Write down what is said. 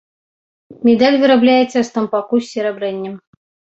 Медаль вырабляецца з тампаку з серабрэннем.